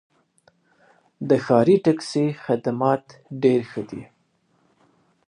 د ښار ټکسي خدمات ډېر ښه دي.